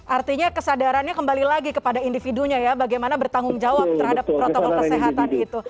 artinya kesadarannya kembali lagi kepada individunya ya bagaimana bertanggung jawab terhadap protokol kesehatan itu